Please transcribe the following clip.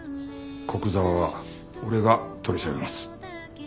古久沢は俺が取り調べます。